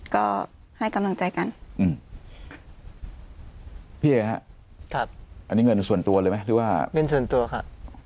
ก็ให้กำลังใจกันอืมพี่เอ๋ฮะครับอันนี้เงินส่วนตัวเลยไหมหรือว่าเงินส่วนตัวค่ะ